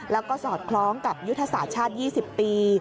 แล้วก็สอดคล้องกับยุทธศาสตร์ชาติ๒๐ปี